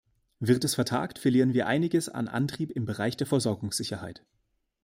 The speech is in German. Wird es vertagt, verlieren wir einiges an Antrieb im Bereich der Versorgungssicherheit.